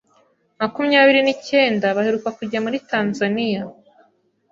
makumyabiri nicyenda baheruka kujya muri Tanzania